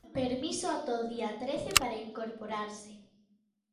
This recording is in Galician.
Permiso ata o día trece para incorporarse.